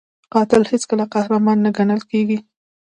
قاتل هیڅکله قهرمان نه ګڼل کېږي